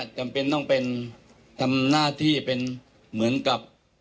จำเป็นต้องเป็นทำหน้าที่เป็นเหมือนกับ